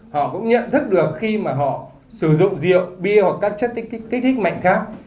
họ cũng nhận thức được khi mà họ sử dụng rượu bia hoặc các chất kích thích mạnh khác